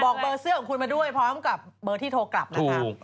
บอกเบอร์เสื้อของคุณมาด้วยพร้อมกับเบอร์ที่โทรกลับนะครับ